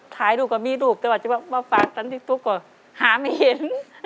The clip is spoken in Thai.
ถ่ายรูปกับมีรูปแต่ว่าจะบอกว่าฟากตั้งที่สุดก็หาไม่เห็น